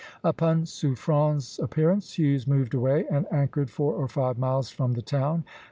Upon Suffren's appearance, Hughes moved away and anchored four or five miles from the town.